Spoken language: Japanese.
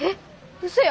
うそや。